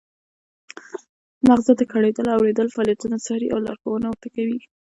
مغزه د ګړیدلو او اوریدلو فعالیتونه څاري او لارښوونه ورته کوي